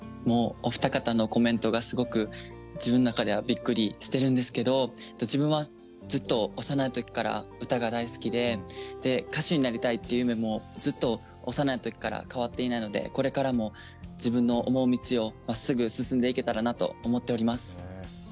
もうお二方のコメントがすごく自分の中ではびっくりしてるんですけど自分はずっと幼い時から歌が大好きで歌手になりたいっていう夢もずっと幼い時から変わっていないのでこれからも自分の思う道をまっすぐ進んでいけたらなと思っております。